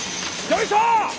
よいしょ！